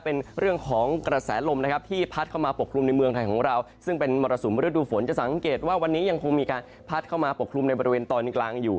เป็นเรื่องของกระแสลมนะครับที่พัดเข้ามาปกคลุมในเมืองไทยของเราซึ่งเป็นมรสุมฤดูฝนจะสังเกตว่าวันนี้ยังคงมีการพัดเข้ามาปกคลุมในบริเวณตอนกลางอยู่